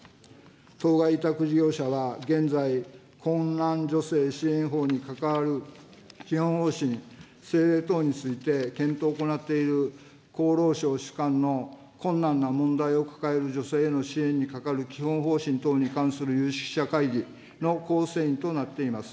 当該委託事業者は、現在、困難女性支援法に関わる基本方針・政令等について、検討を行っている厚労省主管の困難な問題を抱える女性への支援に係る基本方針等に関する有識者会議の構成員となっています。